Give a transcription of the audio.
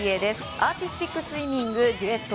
アーティスティックスイミングデュエット